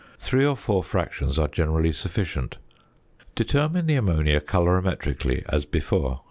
Three or four fractions are generally sufficient. Determine the ammonia colorimetrically as before.